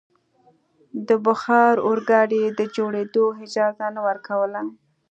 د بخار اورګاډي د جوړېدو اجازه نه ورکوله.